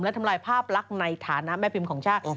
และทำลายภาพลักษณ์ในฐานะแม่พิมพ์ของชาติ